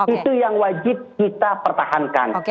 itu yang wajib kita pertahankan